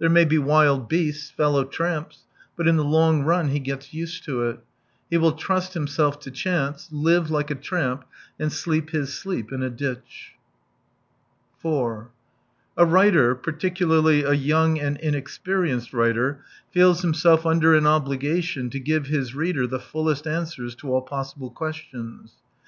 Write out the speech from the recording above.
There may be wild beasts, fellow tramps. But in the long run he gets used to it. He will trust himself to chance, live like a tramp, and sleep his sleep in a djtch. 4 A writer, particularly a young and inex perienced writer, feels himself under an obligation to give his reader the fullest answers to all possible questions.